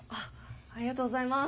ありがとうございます。